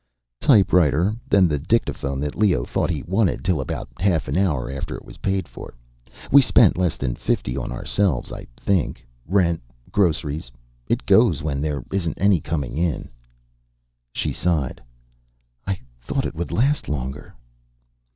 "Typewriter. And the dictaphone that Leo thought he wanted, till about half an hour after it was paid for. We spent less than fifty on ourselves, I think. Rent. Groceries. It goes, when there isn't any coming in." She sighed. "I thought it would last longer."